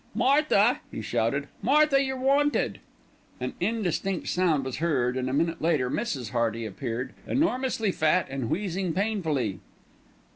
"Martha," he shouted, "Martha, you're wanted!" An indistinct sound was heard and a minute later Mrs. Hearty appeared, enormously fat and wheezing painfully.